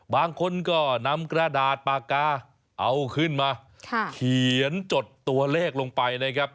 บางคนก็นำกระดาษปากกาเอาขึ้นมาเขียนจดตัวเลขลงไปนะครับ